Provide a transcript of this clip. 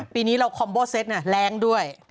ปีนี้เราคอมโบเซ็ตแรงด้วย